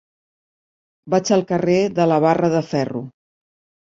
Vaig al carrer de la Barra de Ferro.